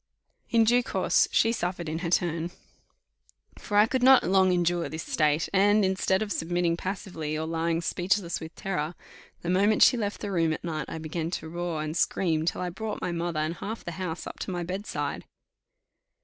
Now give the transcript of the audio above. In due course she suffered in her turn; for I could not long endure this state, and, instead of submitting passively or lying speechless with terror, the moment she left the room at night I began to roar and scream till I brought my mother and half the house up to my bedside.